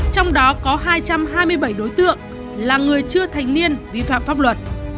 trong đó có hai trăm hai mươi bảy đối tượng là người chưa thành niên vi phạm pháp luật